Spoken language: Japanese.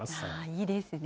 いいですね。